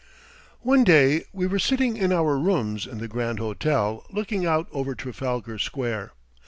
One day we were sitting in our rooms in the Grand Hotel looking out over Trafalgar Square.